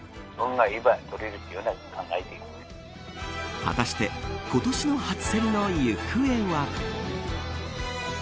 果たして今年の初競りの行方は。